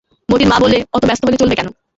মোতির মা বললে, অত ব্যস্ত হলে চলবে কেন?